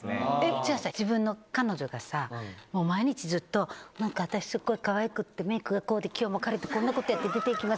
じゃあ自分の彼女が毎日ずっと何か私すっごいカワイくってメイクがこうで今日も彼とこんなことやって出て行きます。